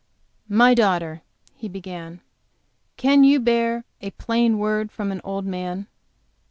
"My daughter," he began, "can you bear a plain word from an old man?"